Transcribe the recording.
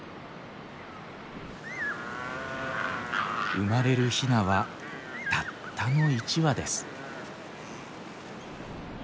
生まれるヒナはたったの１羽です。